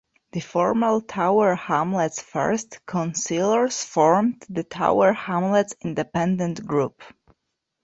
The former Tower Hamlets First councillors formed the Tower Hamlets Independent Group.